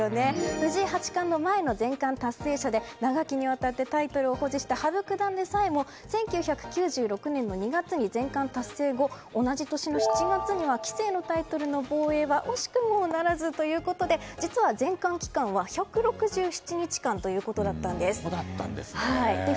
藤井八冠の前の全冠達成者で長きにわたってタイトルを保持した羽生九段でさえも１９９６年２月に全冠達成後棋聖のタイトルの防衛には惜しくもならずということで実は全冠期間は１６７日間ということだったんです。